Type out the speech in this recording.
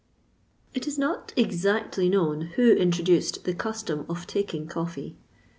It is not exactly known who introduced the custom of taking coffee.